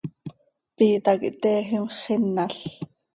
Piita quih teejim x, xinal.